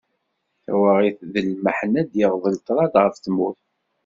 Tawaγit d lmeḥna d-yeγḍel ṭrad γef tmurt.